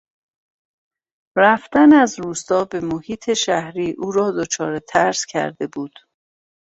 رفتن از روستا به محیط شهری او را دچار ترس کرده بود.